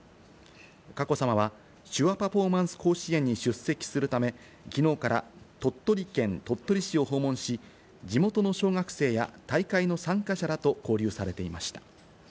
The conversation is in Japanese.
佳子さまは手話パフォーマンス甲子園に出席するため、きのうから鳥取県鳥取市を訪問し、地元の小学生や大会の参加者らと交流されていました。